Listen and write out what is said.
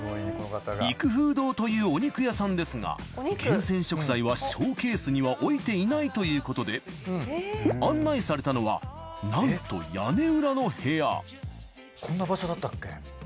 育風堂というお肉屋さんですが厳選食材はショーケースには置いていないということで案内されたのはなんとこんな場所だったっけ？